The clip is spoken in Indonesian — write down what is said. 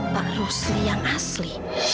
pak rusli yang asli